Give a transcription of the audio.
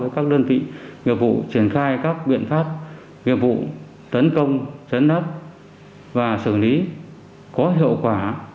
các đơn vị nghiệp vụ triển khai các biện pháp nghiệp vụ tấn công chấn áp và xử lý có hiệu quả